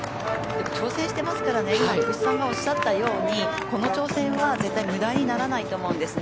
挑戦してますからね福士さんがおっしゃたようにこの挑戦は絶対無駄にならないと思うんですね。